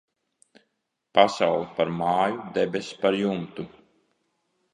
Pasaule par māju, debess par jumtu.